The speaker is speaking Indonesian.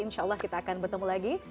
insya allah kita akan bertemu lagi